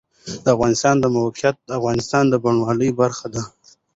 د افغانستان د موقعیت د افغانستان د بڼوالۍ برخه ده.